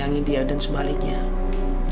aku benar benar mau tinggal